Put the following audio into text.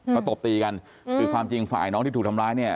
เขาตบตีกันคือความจริงฝ่ายน้องที่ถูกทำร้ายเนี่ย